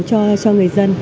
cho người dân